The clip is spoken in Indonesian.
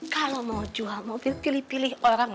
kalau mau jual mobil pilih pilih orang